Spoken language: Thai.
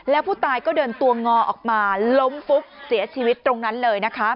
แล้วผู้ตายก็เดินตัวงอออกมาล้มฟุบเสียชีวิตตรงนั้นเลยนะคะ